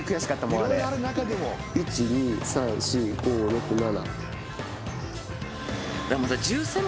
１２３４５６７。